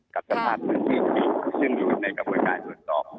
กับสำหรับพื้นที่ที่ดูกับกระโปรแกรนส่วนต่อ